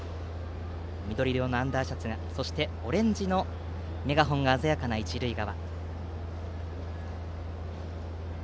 緑色のアンダーシャツそして、オレンジのメガホンが鮮やかな一塁側。